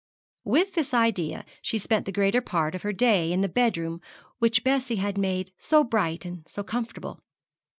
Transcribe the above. With this idea she spent the greater part of her day in the bedroom which Bessie had made so bright and so comfortable.